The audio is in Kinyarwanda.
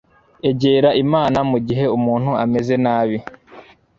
egera imana mu gihe umuntu ameze nabi